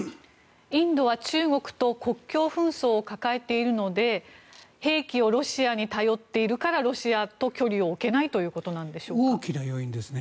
インドは中国と国境紛争を抱えているので兵器をロシアに頼っているからロシアと距離を置けないということでしょうか。